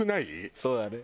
そうだね。